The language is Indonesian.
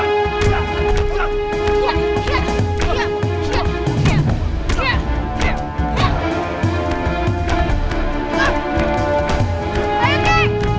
ya tuhan apalagi ini